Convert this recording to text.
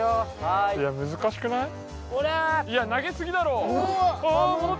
あいや投げすぎだろあっ